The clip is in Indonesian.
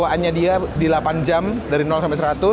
kalau fast charging nya dia di delapan jam dari sampai seratus